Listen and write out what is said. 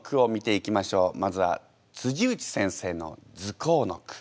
まずは内先生の「ズコー」の句。